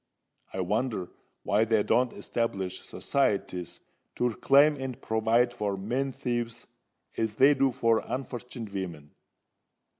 I wonder why they don't establish societies to reclaim and provide for men thieves, as they do for unfortunit vimen.